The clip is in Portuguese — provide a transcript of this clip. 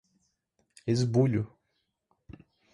esbulho